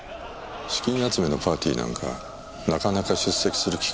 資金集めのパーティーなんかなかなか出席する機会ないでしょ。